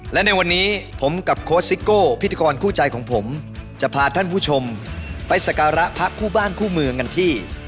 และในวันนี้ผมกับโค้ชซิโก้พิธีกรคู่ใจของผมจะพาท่านผู้ชมไปสการะพระคู่บ้านคู่เมืองกันที่